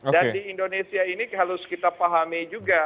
dan di indonesia ini harus kita pahami juga